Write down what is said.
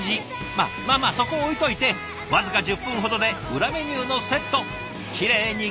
ままあまあそこは置いといて僅か１０分ほどで裏メニューのセットきれいに完食！